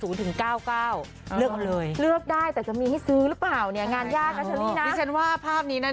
เลือกเลยเลือกได้แต่จะมีให้ซื้อหรือเปล่างานญาติก่อนอันนี้นะ